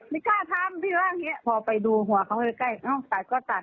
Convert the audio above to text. ไม่กล้าทำพี่ว่าอย่างนี้พอไปดูหัวเขาใกล้ห้องตัดก็ตัด